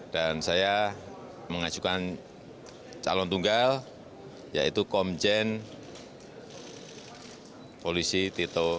dan saya mengajukan calon tunggal yaitu komjen polisi tito